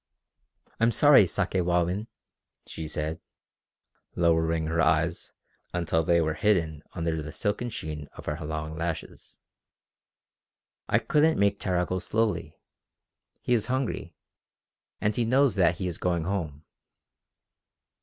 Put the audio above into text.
"I'm sorry, Sakewawin," she said, lowering her eyes until they were hidden under the silken sheen of her long lashes, "I couldn't make Tara go slowly. He is hungry, and he knows that he is going home."